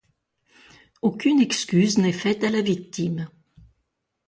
Aucune excuse n'est faite à la victime.